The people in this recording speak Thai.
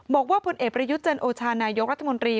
บอกว่าพลเอกประยุทธ์จันโอชานายกรัฐมนตรี